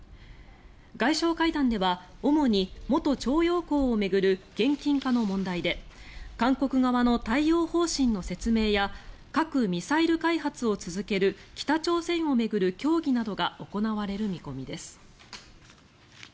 外相会談では主に元徴用工を巡る「現金化」の問題で韓国側の対応方針の説明や核・ミサイル開発を続ける北朝鮮を巡る協議などが行われる見込みです。